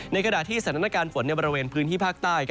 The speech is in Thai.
ในขณะที่สถานการณ์ฝนในบริเวณพื้นที่ภาคใต้